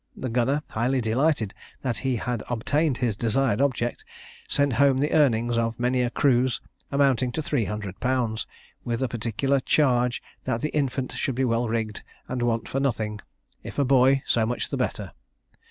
The gunner, highly delighted that he had obtained his desired object, sent home the earnings of many a cruise, amounting to three hundred pounds, with a particular charge that the infant should be well rigged, and want for nothing; if a boy, so much the better.